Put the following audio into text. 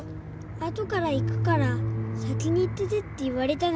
後から行くから先に行っててって言われたの。